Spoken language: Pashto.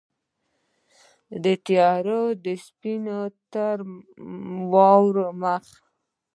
تیاره یې سپین تر واورو مخ